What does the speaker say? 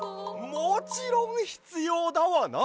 もちろんひつようだわな！